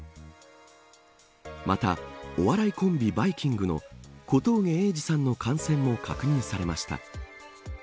また、お笑いコンビバイきんぐの小峠英二さんの感染も確認されました。